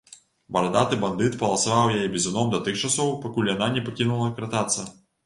Барадаты бандыт паласаваў яе бізуном да тых часоў, пакуль яна не пакінула кратацца.